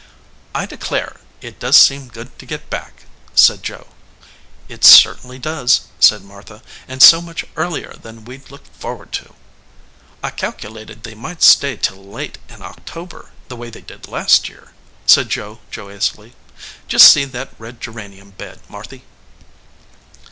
"I declare, it does seem good to get back," said Joe. "It certainly does," said Martha, "and so much earlier than we d looked forward to." "I calculated they might stay till late in October, the way they did last year," said Joe, joyously. "Just see that red geranium bed, Marthy."